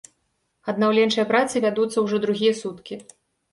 Аднаўленчыя працы вядуцца ўжо другія суткі.